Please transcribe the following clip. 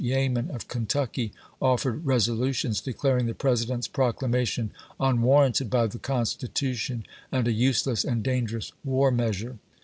Yeaman of Kentucky offered resolutions declaring the President's proclamation unwarranted by the Constitution and a useless and dangerous war measure.